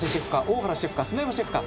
大原シェフか？